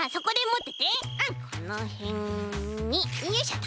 このへんによいしょっと！